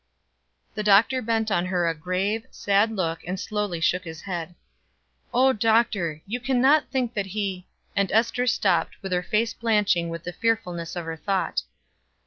The doctor bent on her a grave, sad look, and slowly shook his head. "Oh, Doctor! you can not think that he " and Ester stopped, her face blanching with the fearfulness of her thought.